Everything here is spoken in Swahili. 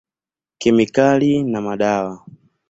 Kemikali na madawa.